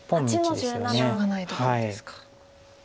しょうがないところですか。